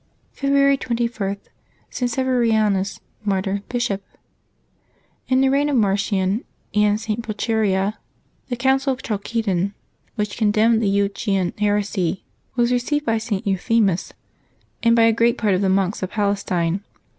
'^ February 21.— ST. SEVERIANUS, Martyr, Bishop. IN the reign of Marcian and St. Pulcheria, the Council of Chalcedon, which condemned the Eutychian heresy, was received by St. Euthymius and by a great part of the monks of Palestine.